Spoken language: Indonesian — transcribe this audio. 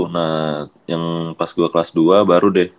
nah yang pas gue kelas dua baru deh